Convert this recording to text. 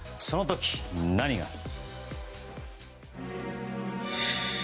その時、何が。